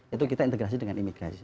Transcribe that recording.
itu kita integrasi dengan imigrasi